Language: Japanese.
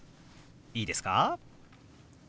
いいですか？